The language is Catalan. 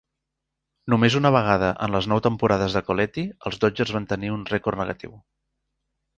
Només una vegada en les nou temporades de Colletti els Dodgers van tenir un rècord negatiu.